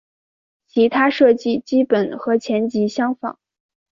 其他设计基本和前级相仿。